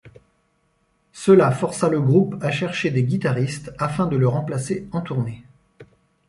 Cela força le groupe à chercher des guitaristes afin de le remplacer en tournée.